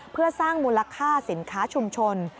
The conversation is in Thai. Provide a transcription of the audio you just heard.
เพื่อสร้างมูลค่าสินค้าชุมชน